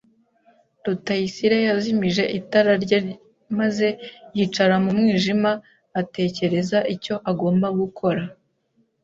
Rutayisire yazimije itara rye maze yicara mu mwijima atekereza icyo agomba gukora.